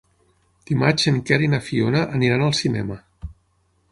Dimarts en Quer i na Fiona aniran al cinema.